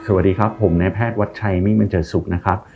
สวัสดีครับผมนายแพทย์วัดชัยมิงบันเจอร์ศุกร์นะครับ